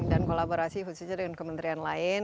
dan kolaborasi khususnya dengan kementerian lain